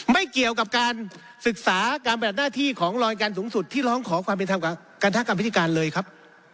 ไม่เกี่ยวกับศึกษาการประหลาดหน้าที่ของรอยการสูงสุดที่ร้องขอความเป็นครารัฐกรรมพิธีการเลยครับ